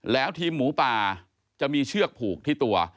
แล้วทีมหมูป่าจะมีเชือกผูกที่ตัว